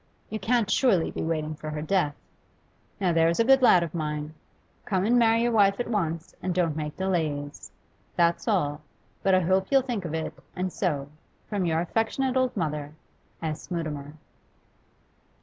You can't surely be waiting for her death. Now, there's a good lad of mine, come and marry your wife at once, and don't make delays. That's all, but I hope you'll think of it; and so, from your affectionate old mother, 'S. MUTIMER.